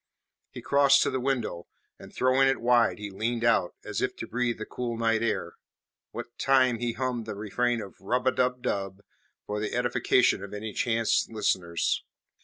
He crossed to the window, and throwing it wide he leaned out, as if to breathe the cool night air, what time he hummed the refrain of `Rub a dub dub' for the edification of any chance listeners.